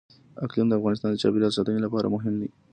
اقلیم د افغانستان د چاپیریال ساتنې لپاره مهم دي.